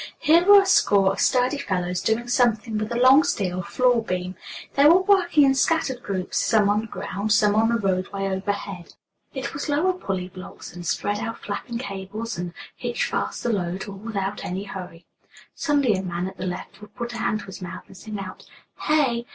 Here were a score of sturdy fellows doing something with a long steel floor beam. They were working in scattered groups, some on the ground, some on the roadway overhead. It was lower pulley blocks, and spread out flapping cables, and hitch fast the load, all without any hurry. Suddenly a man at the left would put a hand to his mouth and sing out: "Hey y y!"